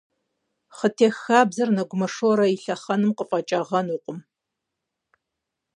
Хъытех хабзэр Нэгумэ Шорэ и лъэхъэнэм къыфӀэкӀагъэнукъым.